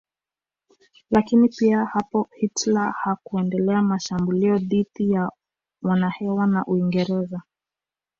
Lakini pia hapo Hitler hakuendelea mashambulio dhidi ya wanahewa wa Uingereza